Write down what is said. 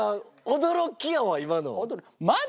驚きやわ今の。